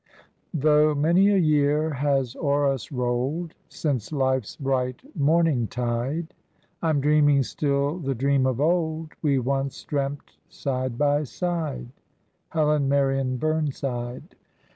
"Though many a year has o'er us roll'd Since life's bright morningtide, I'm dreaming still the dream of old We once dreamt side by side." HELEN MARION BURNSIDE.